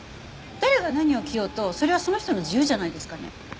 誰が何を着ようとそれはその人の自由じゃないですかね。